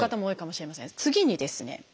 次にですね